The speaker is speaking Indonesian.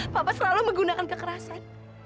papa selalu menggunakan kekerasan